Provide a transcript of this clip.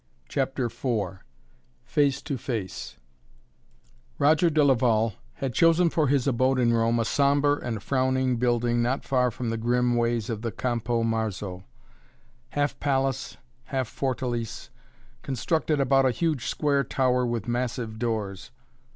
CHAPTER IV FACE TO FACE Roger de Laval had chosen for his abode in Rome a sombre and frowning building not far from the grim ways of the Campo Marzo, half palace half fortalice, constructed about a huge square tower with massive doors.